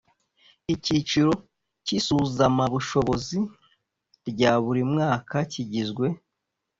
icyiciro cy isuzamabushobozi rya buri mwaka kigizwe